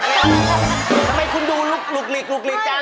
ทำไมคุณดูลุกหลุกหลีกจัง